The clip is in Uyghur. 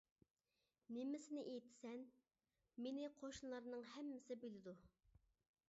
نېمىسىنى ئېيتىسەن؟ مېنى قوشنىلارنىڭ ھەممىسى بىلىدۇ.